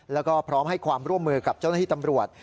แล้วก็พร้อมให้ความร่วมมือกับเจ้าหน้าที่ตำรวจ